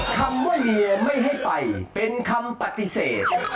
คำว่าเวียไม่ให้ไปเป็นคำปฏิเสธ